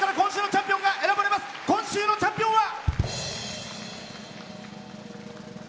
今週のチャンピオンは。